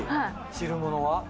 汁物は？